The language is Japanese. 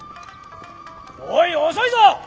おい遅いぞ！